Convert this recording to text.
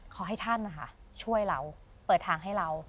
ขอให้ท่านนะคะช่วยเราเปิดทางให้เรา